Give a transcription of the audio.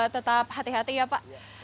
tetap hati hati ya pak